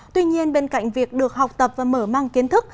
tuy nhiên bên cạnh việc được học tập và mở mang kiến thức